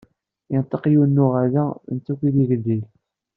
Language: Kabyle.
Yenṭeq yiwen n uɣerda, d netta akk i d igellil.